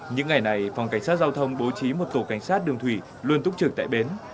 những ngày này phòng cảnh sát giao thông bố trí một tổ cảnh sát đường thủy luôn túc trực tại bến